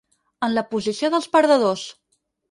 En la posició dels perdedors.